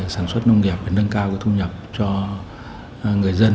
sản xuất nông nghiệp để nâng cao thu nhập cho người dân